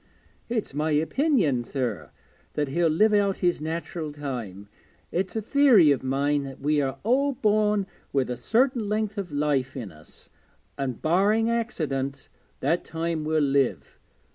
'It's my opinion, sir, that he'll live out his natural time. It's a theory of mine that we are all born with a certain length of life in us, and, barring accident, that time we'll live.